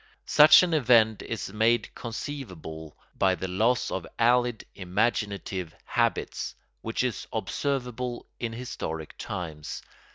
Such an event is made conceivable by the loss of allied imaginative habits, which is observable in historic times.